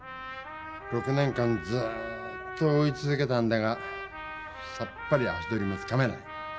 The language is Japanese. ６年間ずっと追いつづけたんだがさっぱり足取りがつかめない。